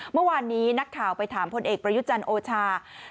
เมื่อวานนี้นักข่าวไปถามพลเอกประยุจันทร์โอชา